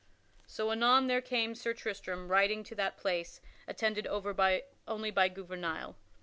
So anon there came Sir Tristram riding to that place, attended only by Gouvernail.